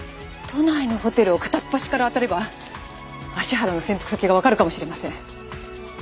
都内のホテルを片っ端からあたれば芦原の潜伏先がわかるかもしれません。